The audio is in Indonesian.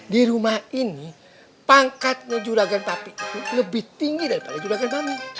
di rumah ini pangkatnya juragan tapi itu lebih tinggi daripada juragan bambu